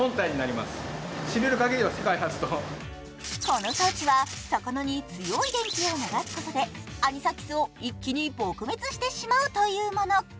この装置は魚に強い電気を流すことでアニサキスを一気に撲滅してしまうというもの。